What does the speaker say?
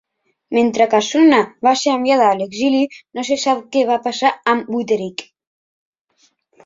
Mentre que Sunna va ser enviada a l'exili, no se sap què va passar amb Witteric.